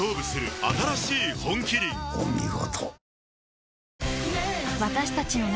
お見事。